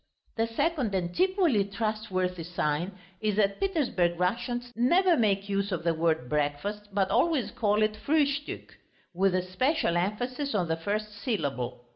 The second and equally trustworthy sign is that Petersburg Russians never make use of the word "breakfast," but always call it "Frühstück" with especial emphasis on the first syllable.